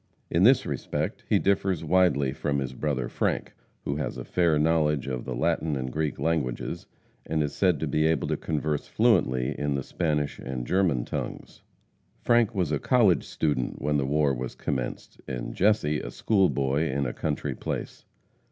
In this respect he differs widely from his brother Frank, who has a fair knowledge of the Latin and Greek languages, and is said to be able to converse fluently in the Spanish and German tongues. Frank was a college student when the war was commenced, and Jesse a school boy in a country place.